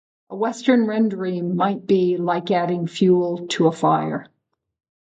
A western rendering might be "like adding fuel to a fire".